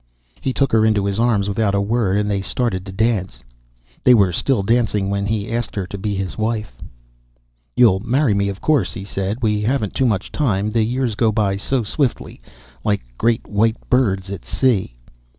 He took her into his arms without a word and they started to dance ... They were still dancing when he asked her to be his wife. "You'll marry me, of course," he said. "We haven't too much time. The years go by so swiftly, like great white birds at sea."